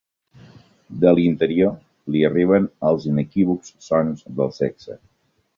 De l'interior li arriben els inequívocs sons del sexe.